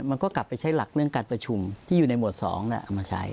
มันก็กลับไปใช้หลักเรื่องการประชุมที่อยู่ในหมวด๒เอามาใช้